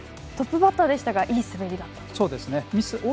トップバッターでしたがいい滑りだったと。